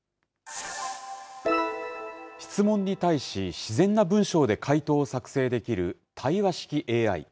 質問に対し自然な文章で回答を作成できる対話式ＡＩ。